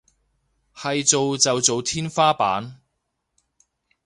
係做就做天花板